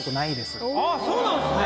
あっそうなんですね。